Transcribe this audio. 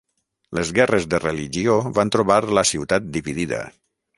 Les guerres de Religió van trobar la ciutat dividida.